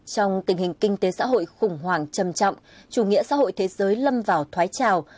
trong tình hình kinh tế xã hội khủng hoảng trầm trọng chủ nghĩa xã hội thế giới lâm vào thoái trào